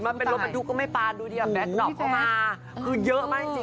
อย่าตายจริง